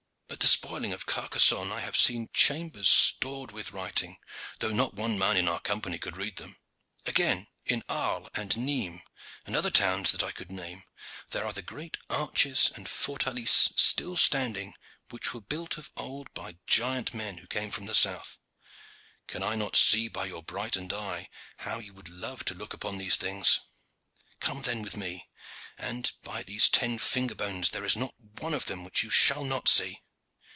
At the spoiling of Carcasonne I have seen chambers stored with writing, though not one man in our Company could read them. Again, in Arles and Nimes, and other towns that I could name, there are the great arches and fortalices still standing which were built of old by giant men who came from the south. Can I not see by your brightened eye how you would love to look upon these things? Come then with me, and, by these ten finger bones! there is not one of them which you shall not see."